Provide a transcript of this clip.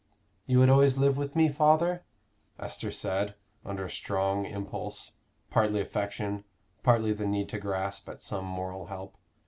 "You would always live with me, father?" Esther said, under a strong impulse partly affection, partly the need to grasp at some moral help.